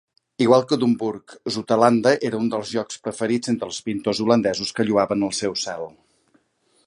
Igual que Domburg, Zoutelande era un dels llocs preferits entre els pintors holandesos, que lloaven el seu cel.